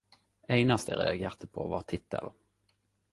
Einaste eg reagerte på var tittelen.